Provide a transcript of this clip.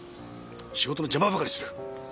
仕事の邪魔ばかりする！